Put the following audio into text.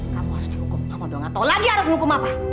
kamu harus dihukum sama mama doang atau lagi harus dihukum sama apa